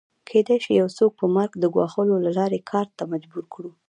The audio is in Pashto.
کېدای شي یو څوک په مرګ د ګواښلو له لارې کار ته مجبور کړو